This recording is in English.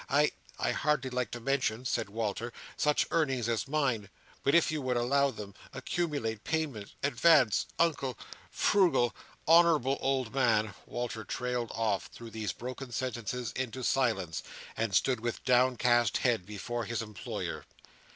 I—I hardly like to mention," said Walter, "such earnings as mine; but if you would allow them—accumulate—payment—advance—Uncle—frugal, honourable, old man." Walter trailed off, through these broken sentences, into silence: and stood with downcast head, before his employer.